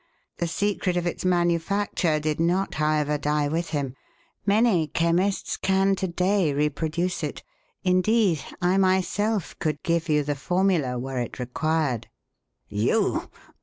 The secret of its manufacture did not, however, die with him. Many chemists can, to day, reproduce it. Indeed, I, myself, could give you the formula were it required." "_You?